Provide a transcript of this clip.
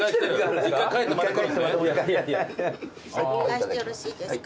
お願いしてよろしいですか。